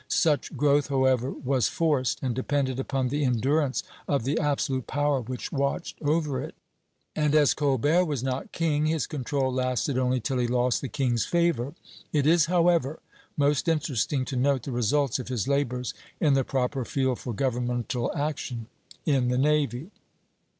Such growth, however, was forced, and depended upon the endurance of the absolute power which watched over it; and as Colbert was not king, his control lasted only till he lost the king's favor. It is, however, most interesting to note the results of his labors in the proper field for governmental action in the navy.